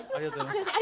すいません